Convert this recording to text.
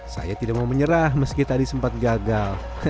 saya tidak mau menyerah meski tadi sempat gagal